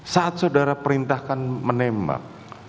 saat saudara perintahkan menembak